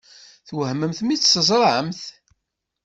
Twehmemt mi tt-teẓṛamt?